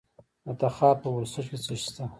د تخار په ورسج کې څه شی شته؟